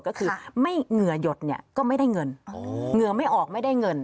ก็คือไม่เหงื่อหยดเนี่ยก็ไม่ได้เงินเหงื่อไม่ออกไม่ได้เงิน